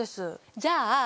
じゃあ